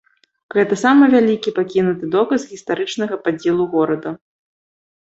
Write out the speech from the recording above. Гэта самы вялікі пакінуты доказ гістарычнага падзелу горада.